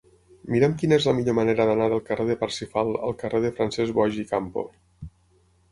Mira'm quina és la millor manera d'anar del carrer de Parsifal al carrer de Francesc Boix i Campo.